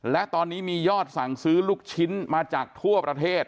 และตอนนี้มียอดสั่งซื้อลูกชิ้นมาจากทั่วประเทศ